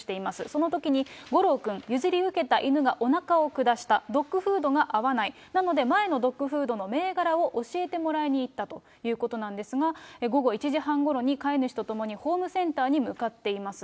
そのときに、ごろう君、譲り受けた犬がおなかを下した、ドックフードが合わない、なので前のドッグフードの銘柄を教えてもらいに行ったということなんですが、午後１時半ごろに飼い主と共にホームセンターに向かっています。